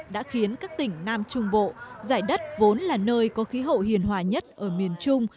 đã khiến các tỉnh nam trung bộ giải đất vốn là nơi có khí hậu hiền hòa nhất ở miền trung